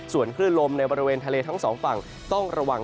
ส่วนคลื่นลมในบริเวณทะเลทั้งสองฝั่งต้องระวัง